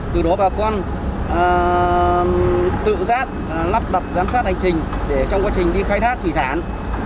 từ đó bà con tự giác lắp đặt giám sát hành trình để trong quá trình đi khai thác thủy sản